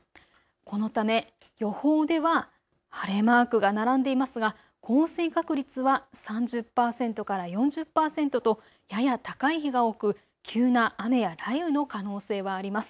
このため予報では晴れマークが並んでいますが降水確率は３０％から４０％とやや高い日が多く急な雨や雷雨の可能性はあります。